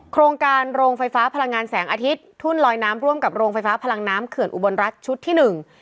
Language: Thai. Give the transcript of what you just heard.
โครงการโรงไฟฟ้าพลังงานแสงอาทิตย์ทุ่นลอยน้ำร่วมกับโรงไฟฟ้าพลังน้ำเขื่อนอุบลรัฐชุดที่หนึ่ง